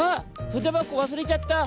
ふでばこわすれちゃった！